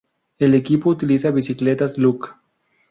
El equipo utiliza bicicletas Look.